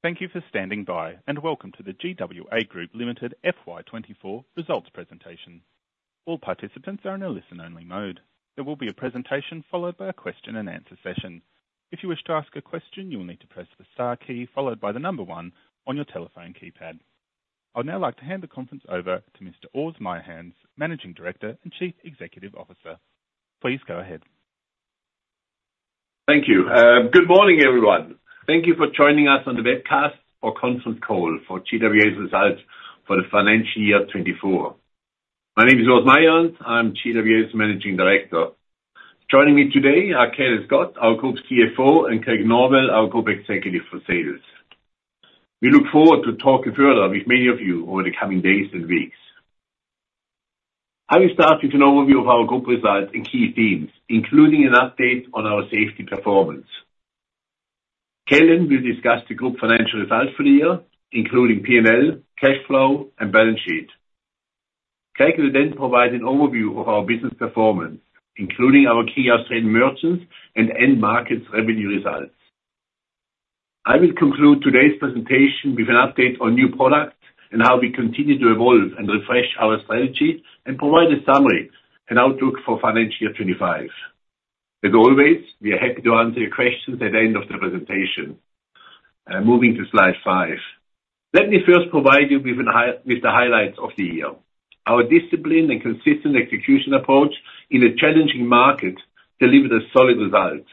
Thank you for standing by, and welcome to the GWA Group Limited FY 2024 results presentation. All participants are in a listen-only mode. There will be a presentation followed by a question-and-answer session. If you wish to ask a question, you will need to press the star key, followed by the number one on your telephone keypad. I'd now like to hand the conference over to Mr. Urs Meyerhans, Managing Director and Chief Executive Officer. Please go ahead. Thank you. Good morning, everyone. Thank you for joining us on the webcast or conference call for GWA's results for the financial year 24. My name is Urs Meyerhans. I'm GWA's Managing Director. Joining me today are Calin Scott, our group's CFO, and Craig Norval, our Group Executive for Sales. We look forward to talking further with many of you over the coming days and weeks. I will start with an overview of our group results and key themes, including an update on our safety performance. Calin will discuss the group financial results for the year, including P&L, cash flow, and balance sheet. Craig will then provide an overview of our business performance, including our key Australian merchants and end markets revenue results. I will conclude today's presentation with an update on new products and how we continue to evolve and refresh our strategy and provide a summary and outlook for financial year 25. As always, we are happy to answer your questions at the end of the presentation. Moving to Slide 5. Let me first provide you with the highlights of the year. Our discipline and consistent execution approach in a challenging market delivered a solid result.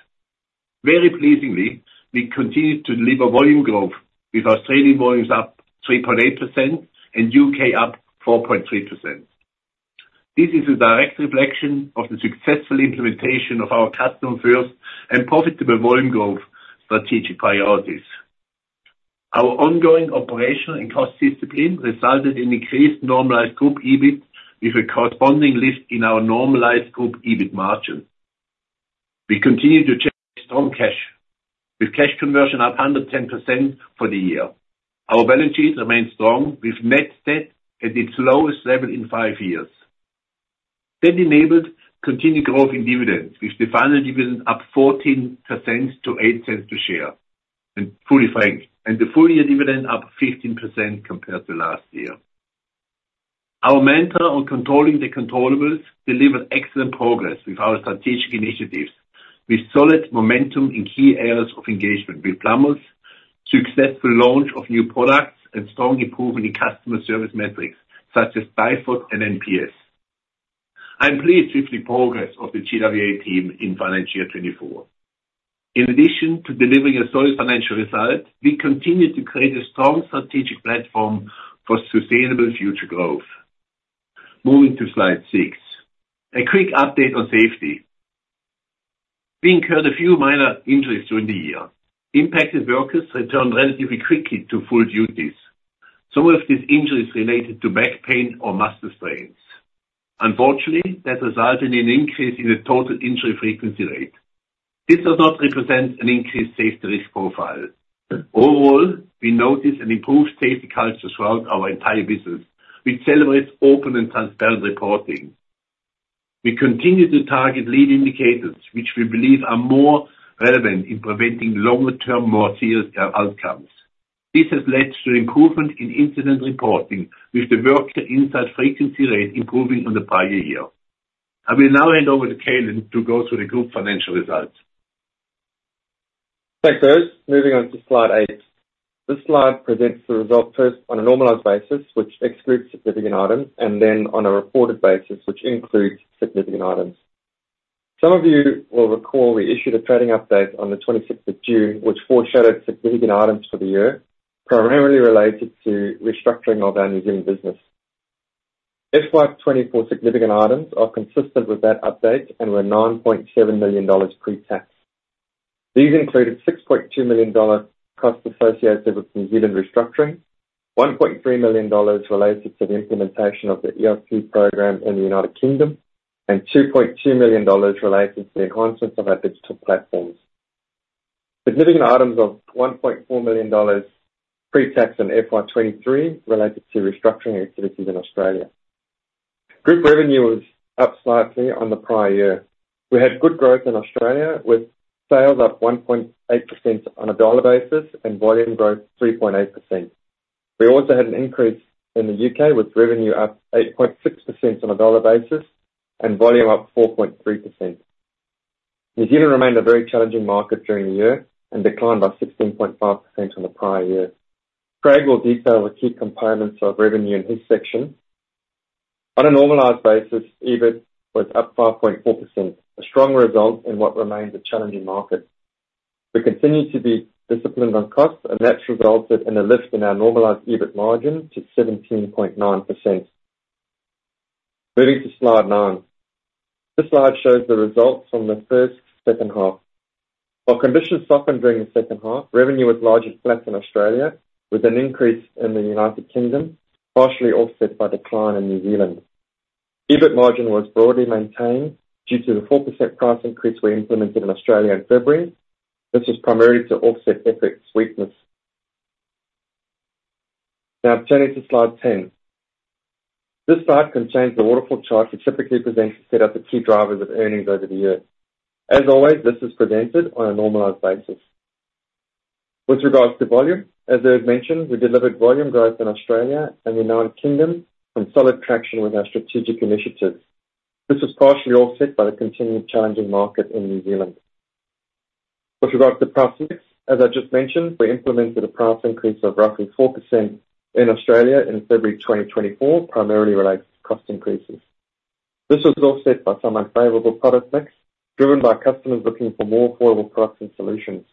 Very pleasingly, we continued to deliver volume growth, with Australian volumes up 3.8% and U.K. up 4.3%. This is a direct reflection of the successful implementation of our Customer First and Profitable Volume Growth strategic priorities. Our ongoing operation and cost discipline resulted in increased normalized group EBIT, with a corresponding lift in our normalized group EBIT margin. We continue to generate strong cash, with cash conversion up under 10% for the year. Our balance sheet remains strong, with net debt at its lowest level in five years. That enabled continued growth in dividends, with the final dividend up 14% to 0.08 a share, and fully franked, and the full-year dividend up 15% compared to last year. Our mantra on controlling the controllables delivered excellent progress with our strategic initiatives, with solid momentum in key areas of engagement with plumbers, successful launch of new products, and strong improvement in customer service metrics, such as DIFOT and NPS. I'm pleased with the progress of the GWA team in financial year 2024. In addition to delivering a solid financial result, we continued to create a strong strategic platform for sustainable future growth. Moving to Slide 6, a quick update on safety. We incurred a few minor injuries during the year. Impacted workers returned relatively quickly to full duties. Some of these injuries related to back pain or muscle strains. Unfortunately, that resulted in an increase in the total injury frequency rate. This does not represent an increased safety risk profile, but overall, we noticed an improved safety culture throughout our entire business, which celebrates open and transparent reporting. We continue to target lead indicators, which we believe are more relevant in preventing longer-term, more serious outcomes. This has led to improvement in incident reporting, with the Worker Insight Frequency Rate improving on the prior year. I will now hand over to Calin to go through the group financial results. Thanks, Urs. Moving on to Slide 8. This slide presents the results first on a normalized basis, which excludes significant items, and then on a reported basis, which includes significant items. Some of you will recall we issued a trading update on the 26th of June, which foreshadowed significant items for the year, primarily related to restructuring of our New Zealand business. FY 2024 significant items are consistent with that update and were AUD 9.7 million pre-tax. These included AUD 6.2 million costs associated with New Zealand restructuring, AUD 1.3 million related to the implementation of the ERP program in the United Kingdom, and AUD 2.2 million related to the enhancement of our digital platforms. Significant items of AUD 1.4 million pre-tax in FY 2023 related to restructuring activities in Australia. Group revenue was up slightly on the prior year. We had good growth in Australia, with sales up 1.8% on a dollar basis and volume growth 3.8%. We also had an increase in the U.K., with revenue up 8.6% on a dollar basis and volume up 4.3%. New Zealand remained a very challenging market during the year and declined by 16.5% on the prior year. Craig will detail the key components of revenue in his section. On a normalized basis, EBIT was up 5.4%, a strong result in what remains a challenging market. We continue to be disciplined on costs, and that's resulted in a lift in our normalized EBIT margin to 17.9%. Moving to Slide 9. This slide shows the results from the first to second half. While conditions softened during the second half, revenue was largely flat in Australia, with an increase in the United Kingdom, partially offset by decline in New Zealand. EBIT margin was broadly maintained due to the 4% price increase we implemented in Australia in February. This was primarily to offset EBIT weakness. Now turning to Slide 10. This slide contains the waterfall chart we typically present to set up the key drivers of earnings over the year. As always, this is presented on a normalized basis. With regards to volume, as I had mentioned, we delivered volume growth in Australia and the United Kingdom, and solid traction with our strategic initiatives. This was partially offset by the continued challenging market in New Zealand. With regard to price mix, as I just mentioned, we implemented a price increase of roughly 4% in Australia in February 2024, primarily related to cost increases. This was offset by some unfavorable product mix, driven by customers looking for more affordable products and solutions.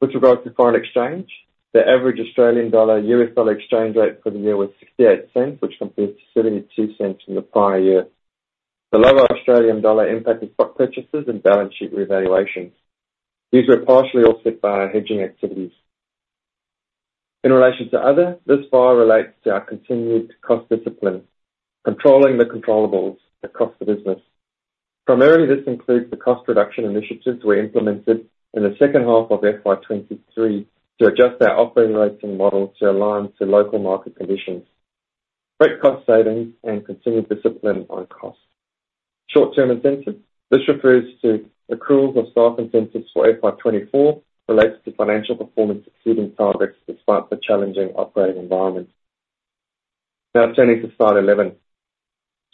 With regard to foreign exchange, the average Australian dollar, U.S. dollar exchange rate for the year was 0.68, which compares to 0.32 in the prior year. The lower Australian dollar impacted stock purchases and balance sheet revaluations. These were partially offset by our hedging activities. In relation to other, this bar relates to our continued cost discipline, controlling the controllables across the business. Primarily, this includes the cost reduction initiatives we implemented in the second half of FY 2023 to adjust our operating rates and models to align to local market conditions, great cost savings, and continued discipline on costs. Short-term incentives. This refers to accruals of staff incentives for FY 2024, relates to financial performance exceeding targets despite the challenging operating environment. Now turning to Slide 11.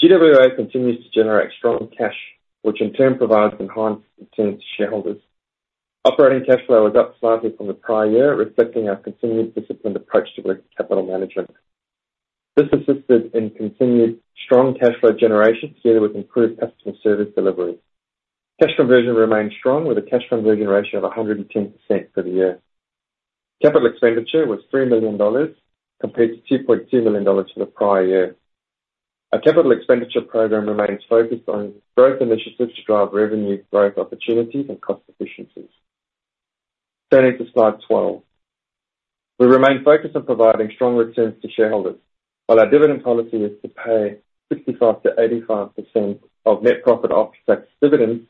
GWA continues to generate strong cash, which in turn provides enhanced returns to shareholders. Operating cash flow is up slightly from the prior year, reflecting our continued disciplined approach to working capital management. This assisted in continued strong cash flow generation, together with improved customer service delivery. Cash conversion remains strong, with a cash conversion ratio of 110% for the year. Capital expenditure was 3 million dollars, compared to 2.2 million dollars for the prior year. Our capital expenditure program remains focused on growth initiatives to drive revenue growth opportunities and cost efficiencies. Turning to Slide 12. We remain focused on providing strong returns to shareholders, while our dividend policy is to pay 65%-85% of net profit after tax dividends.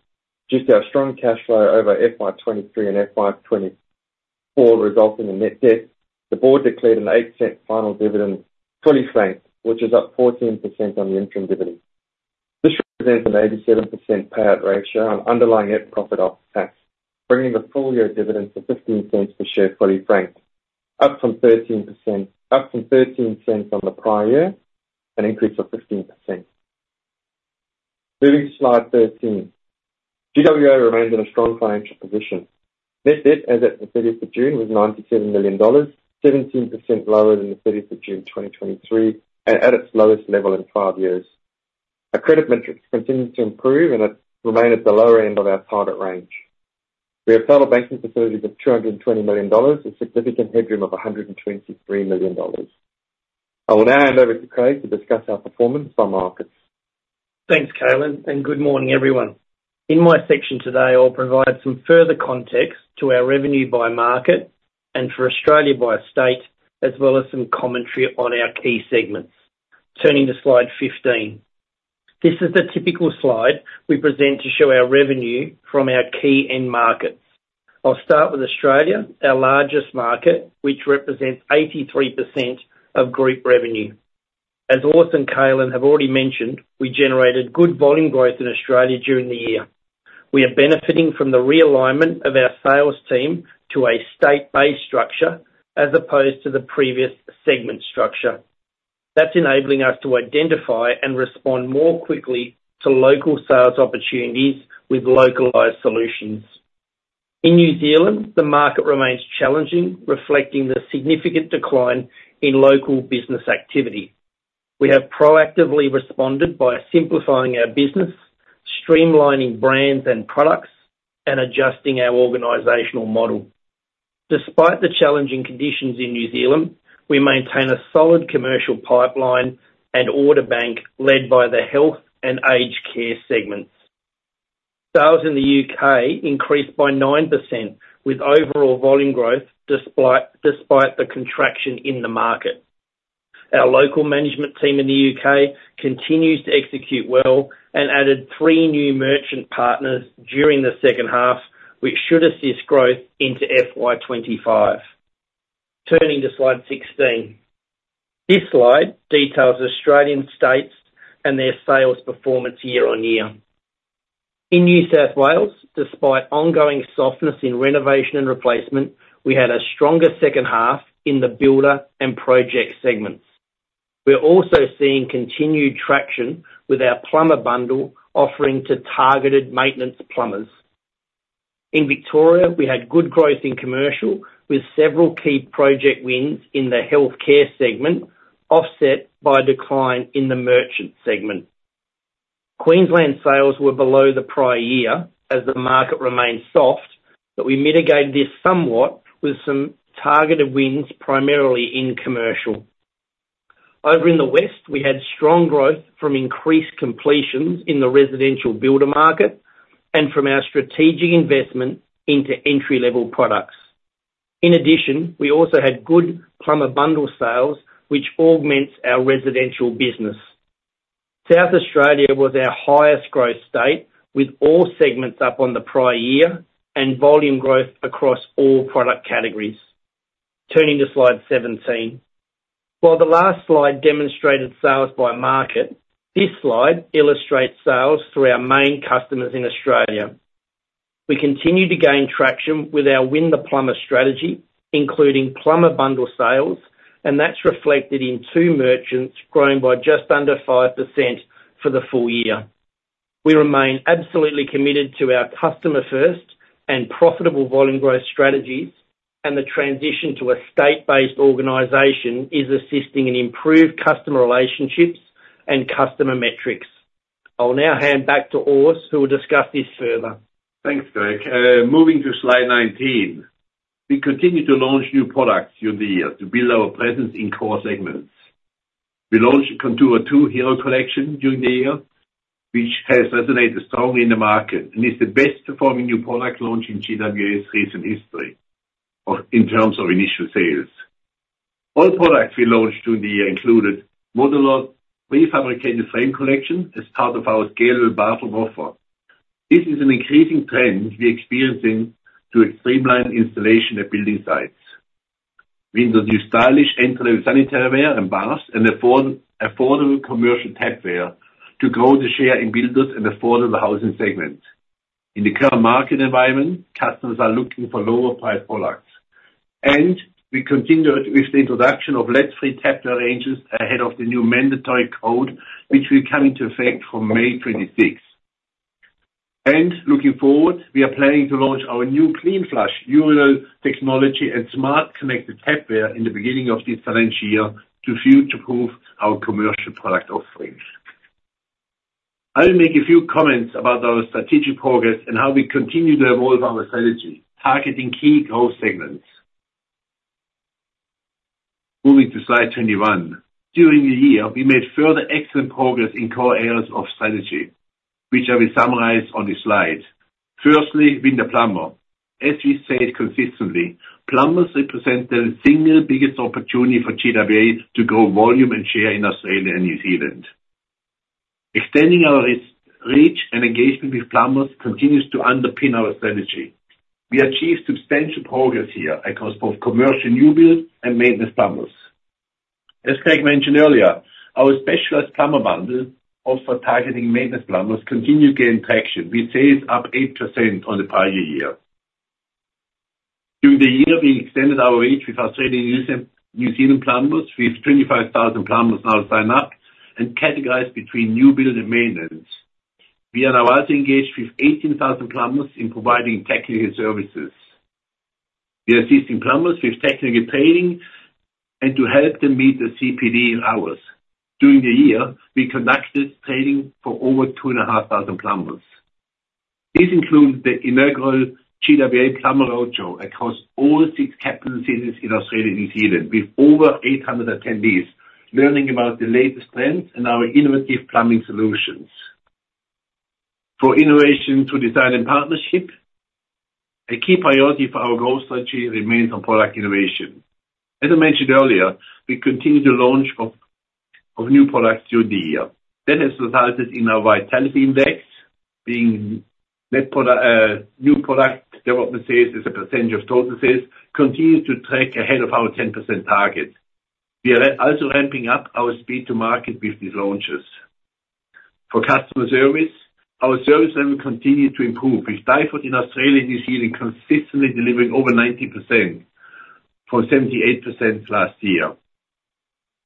Due to our strong cash flow over FY 2023 and FY 2024 resulting in net debt, the board declared an 0.08 final dividend, fully franked, which is up 14% on the interim dividend. This represents an 87% payout ratio on underlying net profit after tax, bringing the full-year dividend to 0.15 per share, fully franked, up from 0.13 on the prior year, an increase of 15%. Moving to Slide 13. GWA remains in a strong financial position. Net debt as at the thirtieth of June was 97 million dollars, 17% lower than the thirtieth of June 2023, and at its lowest level in five years. Our credit metrics continue to improve, and they remain at the lower end of our target range. We have total banking facilities of 220 million dollars, a significant headroom of 123 million dollars. I will now hand over to Craig to discuss our performance by markets. Thanks, Calin, and good morning, everyone. In my section today, I'll provide some further context to our revenue by market and for Australia by state, as well as some commentary on our key segments. Turning to Slide 15. This is the typical Slide we present to show our revenue from our key end markets. I'll start with Australia, our largest market, which represents 83% of group revenue. As Urs and Calin have already mentioned, we generated good volume growth in Australia during the year. We are benefiting from the realignment of our sales team to a state-based structure, as opposed to the previous segment structure. That's enabling us to identify and respond more quickly to local sales opportunities with localized solutions. In New Zealand, the market remains challenging, reflecting the significant decline in local business activity. We have proactively responded by simplifying our business, streamlining brands and products, and adjusting our organizational model. Despite the challenging conditions in New Zealand, we maintain a solid commercial pipeline and order bank, led by the health and aged care segments. Sales in the U.K. increased by 9%, with overall volume growth, despite the contraction in the market. Our local management team in the U.K. continues to execute well and added three new merchant partners during the second half, which should assist growth into FY 2025. Turning to Slide 16. This slide details Australian states and their sales performance year on year. In New South Wales, despite ongoing softness in renovation and replacement, we had a stronger second half in the builder and project segments. We're also seeing continued traction with our Plumber Bundle offering to targeted maintenance plumbers. In Victoria, we had good growth in commercial, with several key project wins in the healthcare segment, offset by a decline in the merchant segment. Queensland sales were below the prior year as the market remained soft, but we mitigated this somewhat with some targeted wins, primarily in commercial. Over in the west, we had strong growth from increased completions in the residential builder market and from our strategic investment into entry-level products. In addition, we also had good Plumber Bundle sales, which augments our residential business. South Australia was our highest growth state, with all segments up on the prior year and volume growth across all product categories. Turning to Slide 17. While the last slide demonstrated sales by market, this slide illustrates sales through our main customers in Australia. We continue to gain traction with our Win the Plumber strategy, including Plumber Bundle sales, and that's reflected in two merchants growing by just under 5% for the full year. We remain absolutely committed to our customer first and Profitable Volume Growth strategies, and the transition to a state-based organization is assisting in improved customer relationships and customer metrics. I'll now hand back to Urs, who will discuss this further. Thanks, Craig. Moving to Slide 19. We continue to launch new products during the year to build our presence in core segments. We launched Contour II Hero collection during the year, which has resonated strongly in the market and is the best performing new product launch in GWA's recent history, or in terms of initial sales. All products we launched during the year included Modular prefabricated frame collection as part of our scalable bathroom offer. This is an increasing trend we're experiencing to streamline installation at building sites. We introduced stylish entry-level sanitary ware and baths, and affordable commercial tapware to grow the share in builders and affordable housing segments. In the current market environment, customers are looking for lower-priced products. We continued with the introduction of lead-free tap ranges ahead of the new mandatory code, which will come into effect from May '26. Looking forward, we are planning to launch our new Cleanflush urinal technology and smart connected tapware in the beginning of this financial year to future-proof our commercial product offerings. I will make a few comments about our strategic progress and how we continue to evolve our strategy, targeting key growth segments. Moving to Slide 21. During the year, we made further excellent progress in core areas of strategy, which I will summarize on this Slide. Firstly, Win the Plumber. As we've said consistently, plumbers represent the single biggest opportunity for GWA to grow volume and share in Australia and New Zealand. Extending our reach and engagement with plumbers continues to underpin our strategy. We achieved substantial progress here across both commercial new builds and maintenance plumbers. As Craig mentioned earlier, our specialized Plumber Bundle, also targeting maintenance plumbers, continue to gain traction. We say it's up 8% on the prior year. During the year, we extended our reach with Australian and New Zealand plumbers, with 25,000 plumbers now signed up and categorized between new build and maintenance. We are now also engaged with 18,000 plumbers in providing technical services. We are assisting plumbers with technical training and to help them meet the CPD hours. During the year, we conducted training for over 2,500 plumbers. This includes the inaugural GWA Plumber Roadshow across all six capital cities in Australia and New Zealand, with over 800 attendees learning about the latest trends and our innovative plumbing solutions. For innovation through design and partnership, a key priority for our growth strategy remains on product innovation. As I mentioned earlier, we continue to launch of new products through the year. That has resulted in our vitality index being new product development sales as a percentage of total sales, continues to track ahead of our 10% target. We are also ramping up our speed to market with these launches. For customer service, our service level continued to improve, with delivery in Australia and New Zealand consistently delivering over 90%, from 78% last year.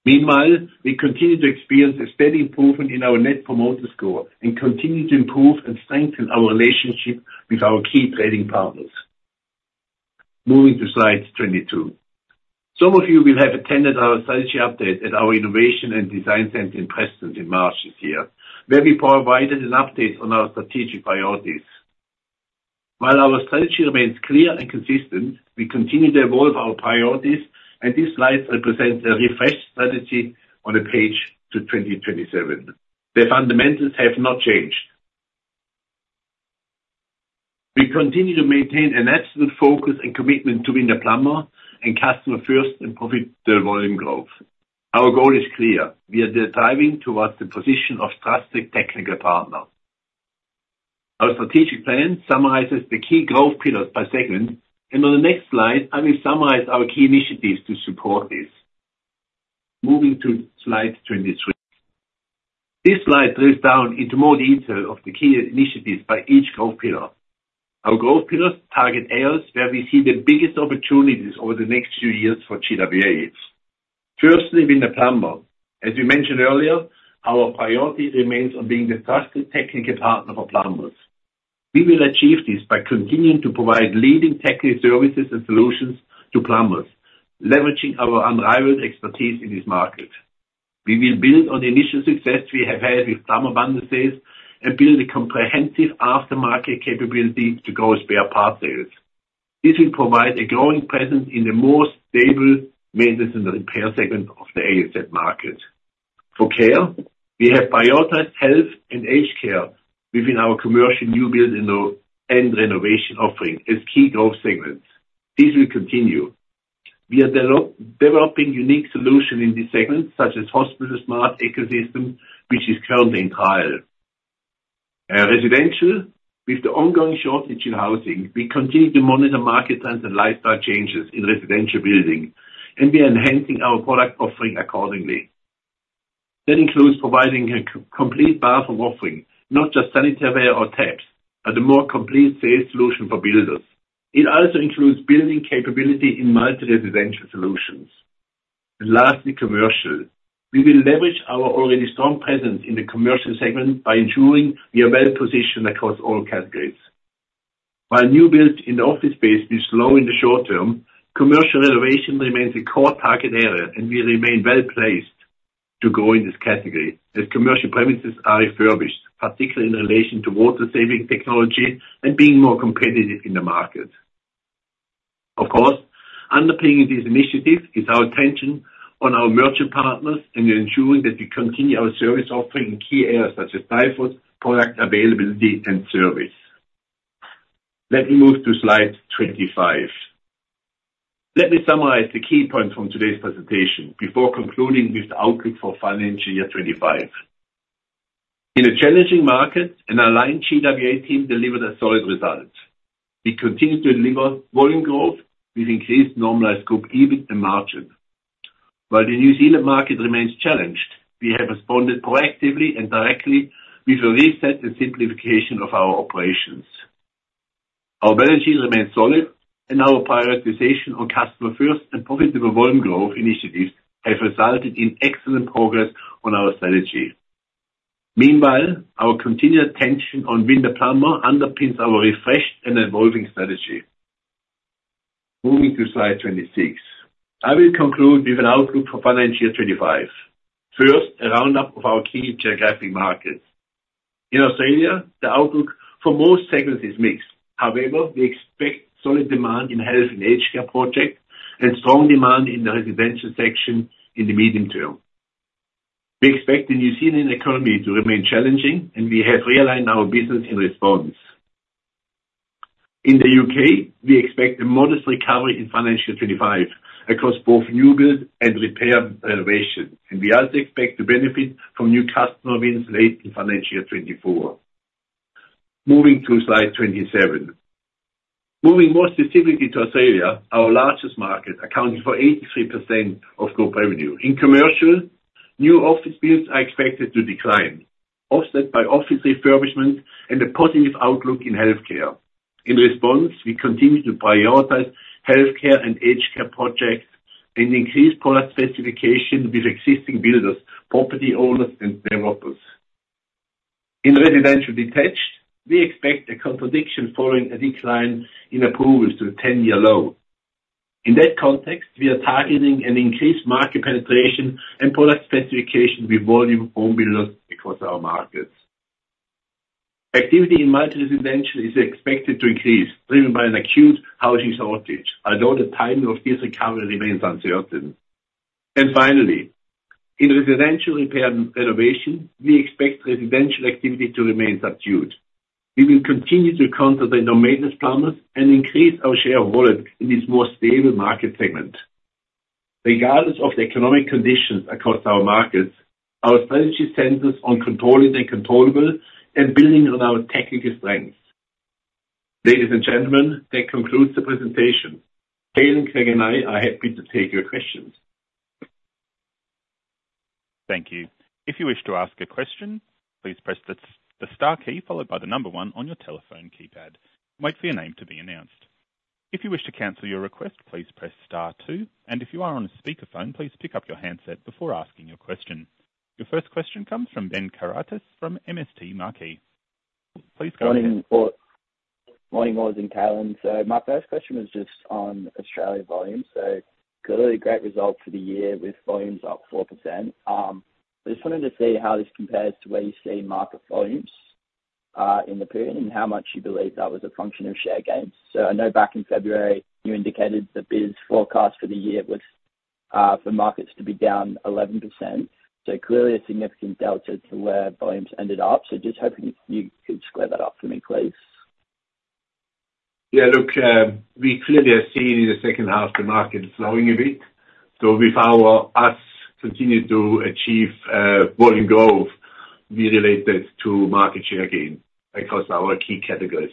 Meanwhile, we continue to experience a steady improvement in our net promoter score, and continue to improve and strengthen our relationship with our key trading partners. Moving to Slide 22. Some of you will have attended our strategy update at our Innovation and Design Center in Preston in March this year, where we provided an update on our strategic priorities. While our strategy remains clear and consistent, we continue to evolve our priorities, and this slide represents a refreshed strategy on a page to 2027. The fundamentals have not changed. We continue to maintain an absolute focus and commitment to Win the Plumber and customer first and Profitable Volume Growth. Our goal is clear: We are determined towards the position of trusted technical partner. Our strategic plan summarizes the key growth pillars per segment, and on the next slide, I will summarize our key initiatives to support this. Moving to Slide 23. This slide drills down into more detail of the key initiatives by each growth pillar. Our growth pillars target areas where we see the biggest opportunities over the next few years for GWA's. Firstly, Win the Plumber. As we mentioned earlier, our priority remains on being the trusted technical partner for plumbers. We will achieve this by continuing to provide leading technical services and solutions to plumbers, leveraging our unrivaled expertise in this market. We will build on the initial success we have had with Plumber Bundle sales and build a comprehensive aftermarket capability to grow spare parts sales. This will provide a growing presence in the more stable maintenance and repair segment of the Aussie market. For Caroma, we have prioritized health and aged care within our commercial new build and renovation offering as key growth segments. This will continue. We are developing unique solution in this segment, such as hospital smart ecosystem, which is currently in trial. Residential, with the ongoing shortage in housing, we continue to monitor market trends and lifestyle changes in residential building, and we are enhancing our product offering accordingly. That includes providing a complete bathroom offering, not just sanitary ware or taps, but a more complete sales solution for builders. It also includes building capability in multi-residential solutions. And lastly, commercial. We will leverage our already strong presence in the commercial segment by ensuring we are well positioned across all categories. While new build in the office space is slow in the short term, commercial renovation remains a core target area, and we remain well placed to grow in this category as commercial premises are refurbished, particularly in relation to water-saving technology and being more competitive in the market. Of course, underpinning these initiatives is our attention on our merchant partners, and ensuring that we continue our service offering in key areas such as delivery, product availability, and service. Let me move to Slide 25. Let me summarize the key points from today's presentation before concluding with the outlook for financial year 2025. In a challenging market, an aligned GWA team delivered a solid result. We continue to deliver volume growth with increased normalized scope, EBIT, and margin. While the New Zealand market remains challenged, we have responded proactively and directly with a reset and simplification of our operations. Our balance sheet remains solid, and our prioritization on customer first and Profitable Volume Growth initiatives have resulted in excellent progress on our strategy. Meanwhile, our continued attention on Win the Plumber underpins our refreshed and evolving strategy. Moving to Slide 26. I will conclude with an outlook for financial year 2025. First, a roundup of our key geographic markets. In Australia, the outlook for most segments is mixed. However, we expect solid demand in health and aged care projects, and strong demand in the residential sector in the medium term. We expect the New Zealand economy to remain challenging, and we have realigned our business in response. In the U.K., we expect a modest recovery in financial 2025 across both new build and repair renovation, and we also expect to benefit from new customer wins late in financial year 2024. Moving to Slide 27. Moving more specifically to Australia, our largest market, accounting for 83% of group revenue. In commercial, new office builds are expected to decline, offset by office refurbishment and a positive outlook in healthcare. In response, we continue to prioritize healthcare and aged care projects, and increase product specification with existing builders, property owners, and developers. In residential detached, we expect a contraction following a decline in approvals to a ten-year low. In that context, we are targeting an increased market penetration and product specification with volume home builders across our markets. Activity in multi-residential is expected to increase, driven by an acute housing shortage, although the timing of this recovery remains uncertain, and finally, in residential repair and renovation, we expect residential activity to remain subdued. We will continue to court the dormant plumbers and increase our share of wallet in this more stable market segment. Regardless of the economic conditions across our markets, our strategy centers on controlling the controllables and building on our technical strengths. Ladies and gentlemen, that concludes the presentation. Calin, Craig, and I are happy to take your questions. Thank you. If you wish to ask a question, please press the star key followed by the number one on your telephone keypad. Wait for your name to be announced. If you wish to cancel your request, please press star two, and if you are on a speakerphone, please pick up your handset before asking your question. Your first question comes from Ben Kairaitis from MST Marquee. Please go ahead. Morning, all. Morning, all, and Calin. So my first question was just on Australia volumes. So clearly great result for the year with volumes up 4%. I just wanted to see how this compares to where you see market volumes in the period, and how much you believe that was a function of share gains. So I know back in February, you indicated the BIS forecast for the year was for markets to be down 11%. So clearly a significant delta to where volumes ended up. So just hoping you could square that up for me, please. Yeah, look, we clearly are seeing in the second half the market slowing a bit, so with us continuing to achieve volume growth, we relate that to market share gains across our key categories.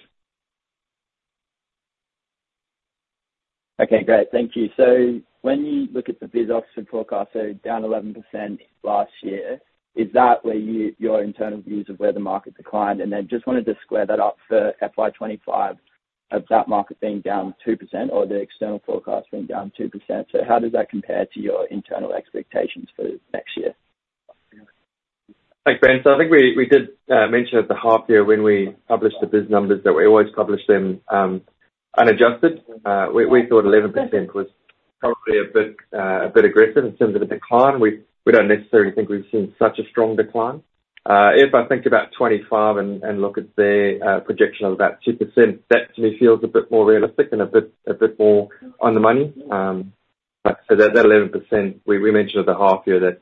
Okay, great. Thank you. So when you look at the BIS Oxford forecast, so down 11% last year, is that your internal views of where the market declined? And then just wanted to square that up for FY 2025, of that market being down 2% or the external forecast being down 2%. So how does that compare to your internal expectations for next year? Thanks, Ben. So I think we did mention at the half year when we published the BIS numbers that we always publish them unadjusted. We thought 11% was probably a bit aggressive in terms of the decline. We don't necessarily think we've seen such a strong decline. If I think about 2025 and look at their projection of about 2%, that to me feels a bit more realistic and a bit more on the money. But so that 11%, we mentioned at the half year that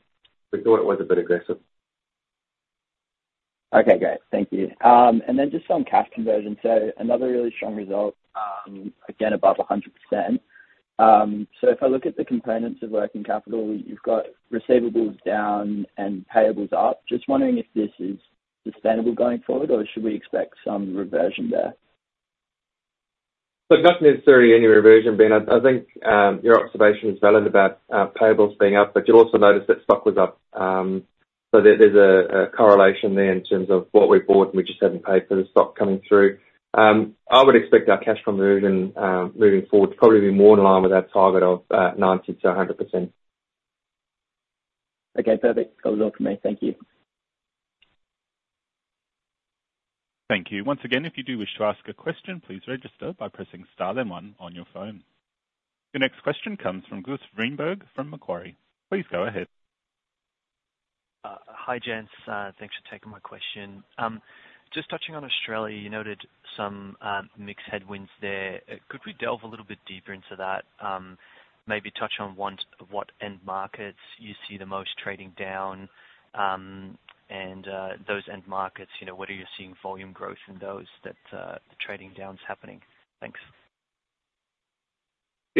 we thought it was a bit aggressive.... Okay, great. Thank you, and then just on cash conversion, so another really strong result, again, above 100%, so if I look at the components of working capital, you've got receivables down and payables up. Just wondering if this is sustainable going forward, or should we expect some reversion there? So not necessarily any reversion, Ben. I think your observation is valid about payables being up, but you'll also notice that stock was up. So there's a correlation there in terms of what we bought, and we just haven't paid for the stock coming through. I would expect our cash conversion moving forward to probably be more in line with our target of 90%-100%. Okay, perfect. That was all for me. Thank you. Thank you. Once again, if you do wish to ask a question, please register by pressing star then one on your phone. The next question comes from Gus Greenberg from Macquarie. Please go ahead. Hi, gents. Thanks for taking my question. Just touching on Australia, you noted some mixed headwinds there. Could we delve a little bit deeper into that? Maybe touch on what end markets you see the most trading down, and those end markets, you know, whether you're seeing volume growth in those that the trading down's happening? Thanks.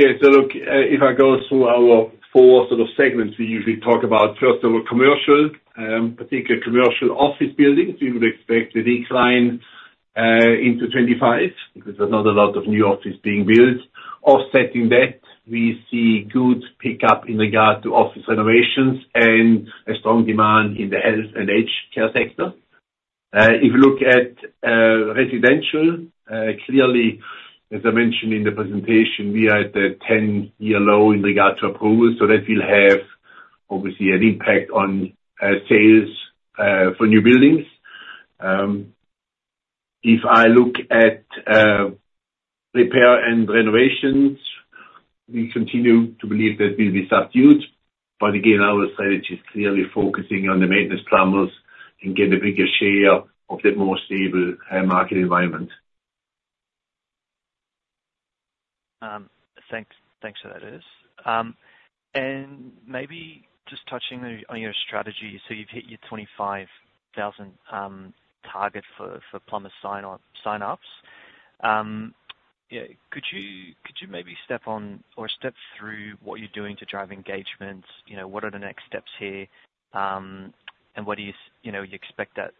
Yeah, so look, if I go through our four sort of segments, we usually talk about, first of all, commercial, particularly commercial office buildings. We would expect a decline into 2025, because there's not a lot of new offices being built. Offsetting that, we see good pickup in regard to office renovations and a strong demand in the health and aged care sector. If you look at residential, clearly, as I mentioned in the presentation, we are at the ten-year low in regard to approval, so that will have obviously an impact on sales for new buildings. If I look at repair and renovations, we continue to believe that will be subdued, but again, our strategy is clearly focusing on the maintenance plumbers and getting a bigger share of the more stable market environment. Thanks for that, Urs, and maybe just touching on your strategy, so you've hit your 25,000 target for plumber sign-on signups. Yeah, could you maybe step on or step through what you're doing to drive engagement? You know, what are the next steps here, and what do you, you know, expect that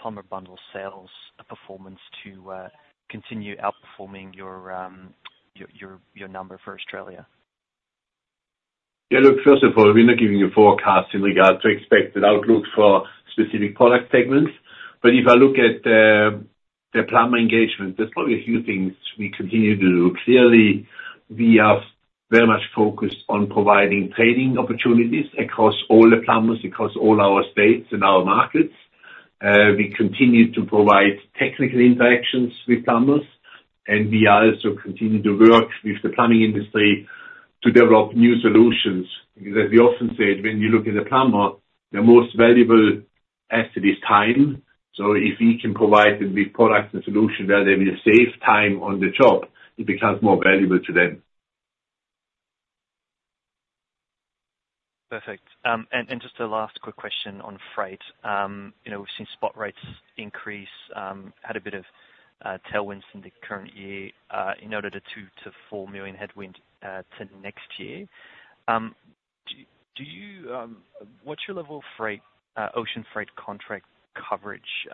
plumber bundle sales performance to continue outperforming your number for Australia? Yeah, look, first of all, we're not giving a forecast in regard to expected outlook for specific product segments, but if I look at the plumber engagement, there's probably a few things we continue to do. Clearly, we are very much focused on providing training opportunities across all the plumbers, across all our states and our markets. We continue to provide technical interactions with plumbers, and we are also continuing to work with the plumbing industry to develop new solutions. Because as we often said, when you look at a plumber, the most valuable asset is time. So if we can provide them with products and solutions where they will save time on the job, it becomes more valuable to them. Perfect. Just a last quick question on freight. You know, we've seen spot rates increase, had a bit of tailwinds in the current year, in the order of 2-4 million headwind to next year. What's your level of freight, ocean freight contract coverage?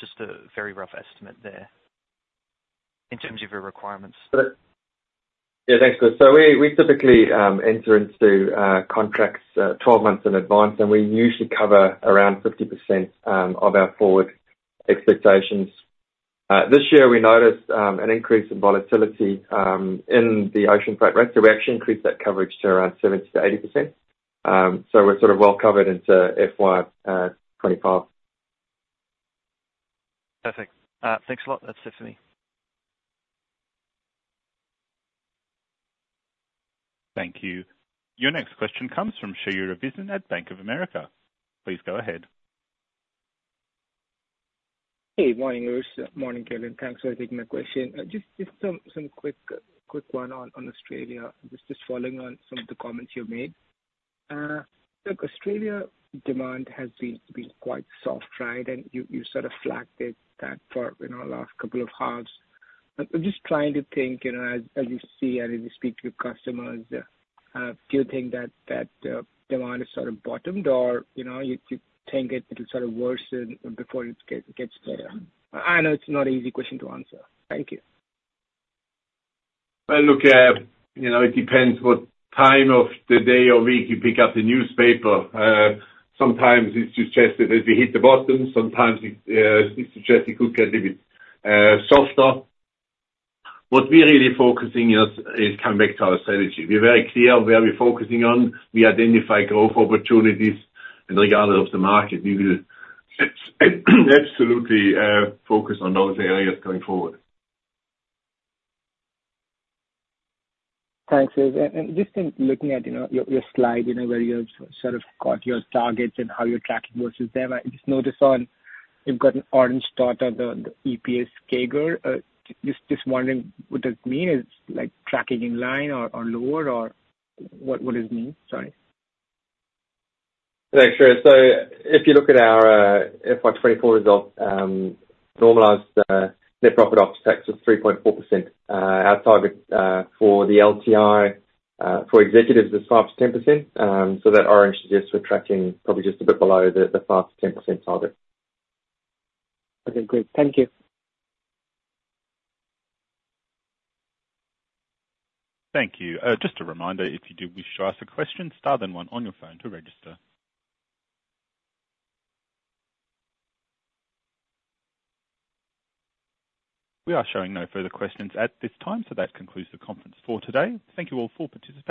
Just a very rough estimate there in terms of your requirements. Yeah, thanks, Gus. So we typically enter into contracts 12 months in advance, and we usually cover around 50% of our forward expectations. This year, we noticed an increase in volatility in the ocean freight rate, so we actually increased that coverage to around 70%-80%. So we're sort of well covered into FY 2025. Perfect. Thanks a lot. That's it for me. Thank you. Your next question comes from Shayura Bizan at Bank of America. Please go ahead. Hey, morning, Urs. Morning, Calin. Thanks for taking my question. Just some quick one on Australia. Just following on some of the comments you made. Look, Australia demand has been quite soft, right? And you sort of flagged it that for, you know, last couple of halves. I'm just trying to think, you know, as you see and as you speak to your customers, do you think that demand has sort of bottomed out, or, you know, you think it will sort of worsen before it gets better? I know it's not an easy question to answer. Thank you. Well, look, you know, it depends what time of the day or week you pick up the newspaper. Sometimes it's suggested that we hit the bottom, sometimes it's suggested it could get a bit softer. What we're really focusing on is to come back to our strategy. We're very clear where we're focusing on. We identify growth opportunities in regard to the market. We will absolutely focus on those areas going forward. Thanks, Urs. And just in looking at, you know, your, your slide, you know, where you've sort of got your targets and how you're tracking versus them, I just noticed on, you've got an orange dot on the, the EPS CAGR. Just wondering what does it mean? Is like tracking in line or, or lower, or what, what does it mean? Sorry. Thanks, Shayura. So if you look at our FY 2024 results, normalized net profit after tax was 3.4%. Our target for the LTI for executives is 5%-10%. So that orange is just we're tracking probably just a bit below the 5%-10% target. Okay, great. Thank you. Thank you. Just a reminder, if you do wish to ask a question, star then one on your phone to register. We are showing no further questions at this time, so that concludes the conference for today. Thank you all for participating.